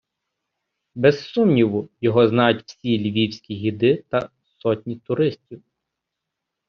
Без сумніву, його знають всі львівські гіди та сотні туристів.